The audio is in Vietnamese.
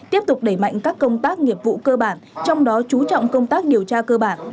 tiếp tục đẩy mạnh các công tác nghiệp vụ cơ bản trong đó chú trọng công tác điều tra cơ bản